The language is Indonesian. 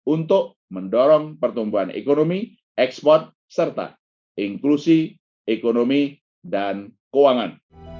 untuk mendorong pertumbuhan ekonomi ekspor serta inklusi ekonomi dan keuangan